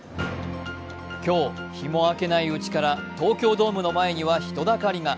今日、日も明けないうちから東京ドームの前には人だかりが。